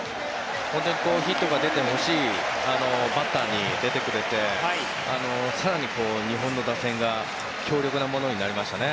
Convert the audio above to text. ヒットが出てほしいバッターに出てくれて更に日本の打線が強力になりましたね。